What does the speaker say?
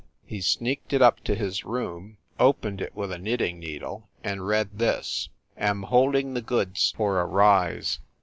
He sneaked it up into his room, opened it with a knitting needle, and read this : "Am holding the goods for a rise.